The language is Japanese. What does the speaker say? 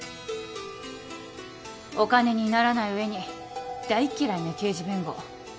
お金にならない上に大嫌いな刑事弁護。